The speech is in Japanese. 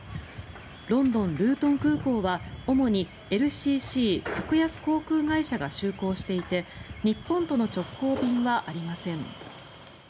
ロンドン・ルートン空港は主にＬＣＣ・格安航空会社が就航していて日本との直行便はありません。